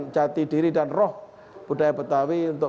jati diri dan roh budaya betawi untuk